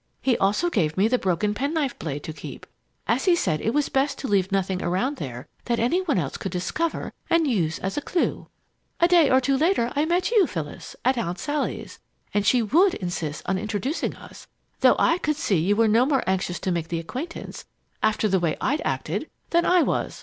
He also gave me the broken penknife blade to keep, as he said it was best to leave nothing around there that any one else could discover and use as a clue. "A day or two later I met you, Phyllis, at Aunt Sally's and she would insist on introducing us, though I could see you were no more anxious to make the acquaintance, after the way I'd acted, than I was.